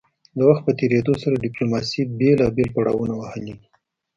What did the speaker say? د وخت په تیریدو سره ډیپلوماسي بیلابیل پړاونه وهلي دي